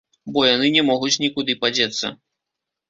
Бо яны не могуць нікуды падзецца.